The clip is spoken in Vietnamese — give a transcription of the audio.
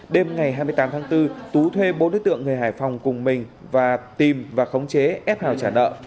đêm ngày hai mươi tám tháng bốn tú thuê bốn đối tượng người hải phòng cùng mình và tìm và khống chế ép hàng trả nợ